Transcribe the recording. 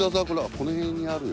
この辺にあるよ。